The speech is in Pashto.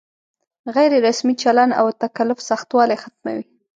غیر رسمي چلن او تکلف سختوالی ختموي.